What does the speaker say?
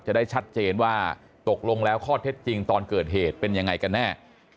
จะได้ชัดเจนว่าตกลงแล้วข้อเท็จจริงตอนเกิดเหตุเป็นยังไงกันแน่